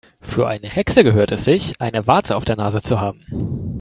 Für eine Hexe gehört es sich, eine Warze auf der Nase zu haben.